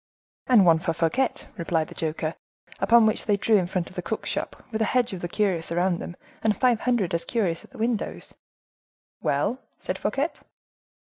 'And one for Fouquet,' replied the joker. Upon which they drew in front of the cook's shop, with a hedge of the curious round them, and five hundred as curious at the windows." "Well?" said Fouquet.